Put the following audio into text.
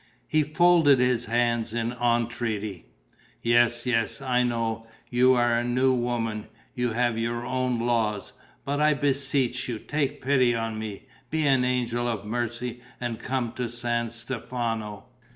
He folded his hands in entreaty: "Yes, yes, I know. You are a 'new woman.' You have your own laws. But I beseech you, take pity on me. Be an angel of mercy and come to San Stefano."